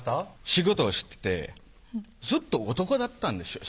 仕事をしててずっと男だったんですよ